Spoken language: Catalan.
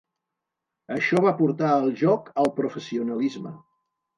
Això va portar el joc al professionalisme.